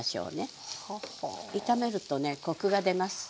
炒めるとねコクが出ます。